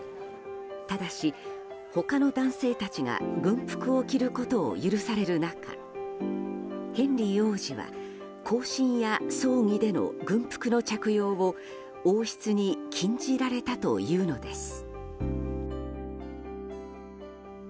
ただし、他の男性たちが軍服を着ることを許される中ヘンリー王子は行進や葬儀での軍服の着用を王室に禁じられたというのです。